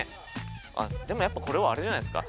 あっでもやっぱこれはあれじゃないですか？